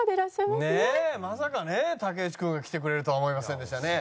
まさかね竹内君が来てくれるとは思いませんでしたね。